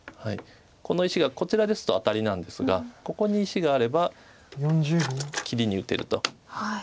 この石がこちらですとアタリなんですがここに石があれば切りに打てると。